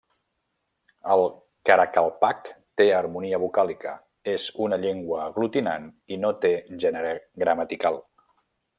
El karakalpak té Harmonia vocàlica, és una llengua aglutinant i no té gènere gramatical.